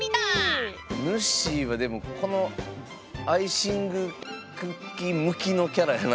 ぬっしーはでもこのアイシングクッキー向きのキャラやな。